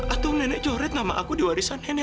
atau nenek coret nama aku di warisan nenek